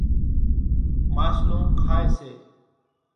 ماشلون کائيَ سي۔